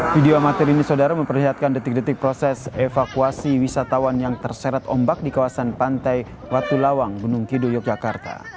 video amatir ini saudara memperlihatkan detik detik proses evakuasi wisatawan yang terseret ombak di kawasan pantai watulawang gunung kidul yogyakarta